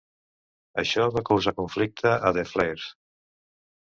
Això va causar conflicte a The Flairs.